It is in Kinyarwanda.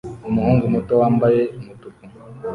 Umuhungu muto wambaye umutuku